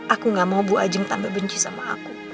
aku gak mau bu ajeng tambah benci sama aku